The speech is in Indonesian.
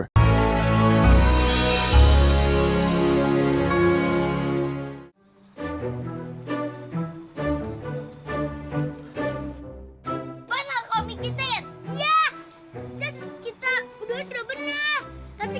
dia gak akan berani muncul